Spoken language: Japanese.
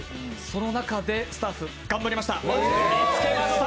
その中でスタッフ、頑張りました。